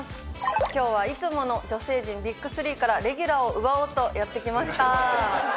今日はいつもの女性陣ビッグ３からレギュラーを奪おうとやって来ました。